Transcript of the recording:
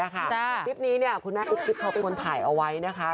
คลิปนี้คุณแม่อุ๊บกิ๊บเขาเป็นคนถ่ายเอาไว้นะคะ